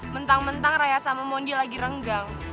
mentang mentang raya sama mondi lagi renggang